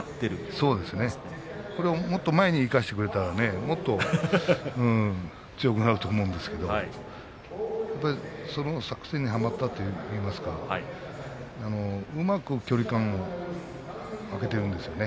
そうですねこれをもっと前に生かしてくれたらもっと強くなると思うんですけどその作戦に、はまったといいますかうまく距離感を空けているんですよね。